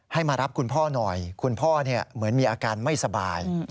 มารับคุณพ่อหน่อยคุณพ่อเหมือนมีอาการไม่สบาย